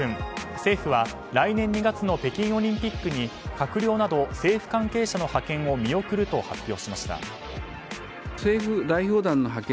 政府は、来年２月の北京オリンピックに閣僚など政府関係者の派遣を見送ると発表しました。